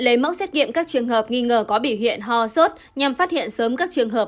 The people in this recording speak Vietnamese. lấy mẫu xét nghiệm các trường hợp nghi ngờ có biểu hiện ho sốt nhằm phát hiện sớm các trường hợp